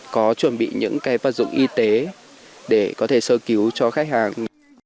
có chuẩn bị những cái vật dụng y tế để có thể sơ cứu cho khách hàng